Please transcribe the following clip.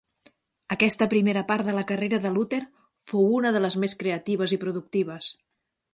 Aquesta primera part de la carrera de Luther fou una de les més creatives i productives.